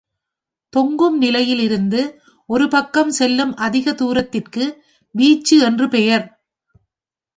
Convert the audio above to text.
தொங்கும் நிலையிலிருந்து ஒருபக்கம் செல்லும் அதிக தூரத்திற்கு வீச்சு என்று பெயர்.